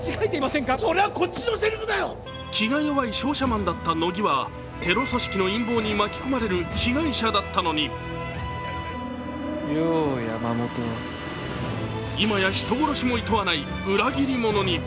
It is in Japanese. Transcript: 気が弱い商社マンだった乃木はテロ組織の陰謀に巻き込まれる被害者だったのに今や人殺しもいとわない裏切り者に。